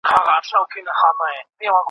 هماغه مرکه کي، استاد شهسوار سنگروال څرګنده